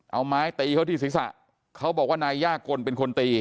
เอาไม้ตีเขาที่ศีรษะเขาบอกว่านายย่ากลเป็นคนตี